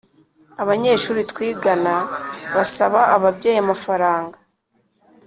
abanyeshuri twigana basaba ababyeyi amafaranga